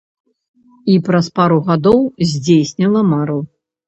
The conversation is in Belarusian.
І праз пару гадоў здзейсніла мару.